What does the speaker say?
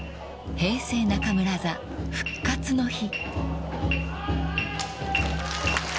［平成中村座復活の日］